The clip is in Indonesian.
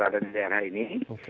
di daerah ini